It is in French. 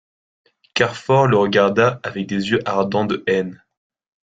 Carfor le regarda avec des yeux ardents de haine.